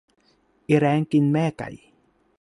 อีแร้งกินแม่ไก่